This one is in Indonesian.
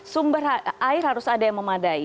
sumber air harus ada yang memadai